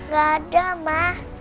gak ada ma